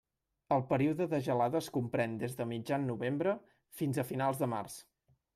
El període de gelades comprèn des de mitjan novembre fins a finals de març.